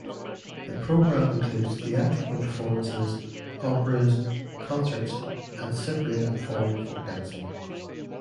The programme includes theatrical performances, operas, concerts and Cypriot and foreign folk dancing.